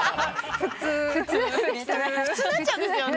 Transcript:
普通になっちゃうんですよね。